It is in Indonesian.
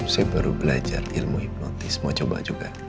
saya baru belajar ilmu hipnotis mau coba juga